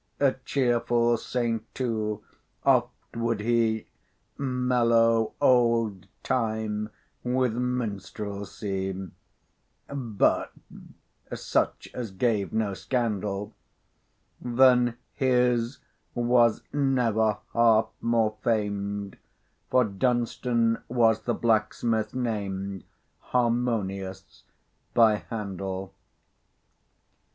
A cheerful saint too, oft would he Mellow old Time with minstrelsy, But such as gave no scandal; Than his was never harp more famed; For Dunstan was the blacksmith named Harmonious by Handel.